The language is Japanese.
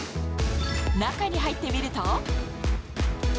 中に入ってみると。